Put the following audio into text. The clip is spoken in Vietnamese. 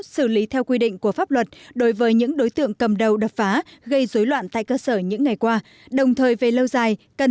xử lý theo quy định của pháp luật đối với những đối tượng cầm đầu đập phá gây dối loạn tại cơ sở những ngày qua